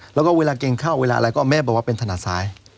แล้วก็เวลากินข้าวเวลาอะไรก็แม่บอกว่าเป็นถนัดซ้าย